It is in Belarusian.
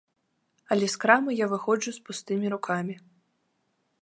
Але з крамы я выходжу з пустымі рукамі.